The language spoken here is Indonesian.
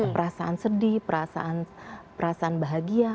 perasaan sedih perasaan bahagia